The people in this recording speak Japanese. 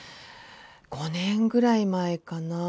５年ぐらい前かな